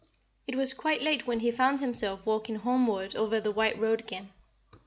It was quite late when he found himself walking homeward over the white road again.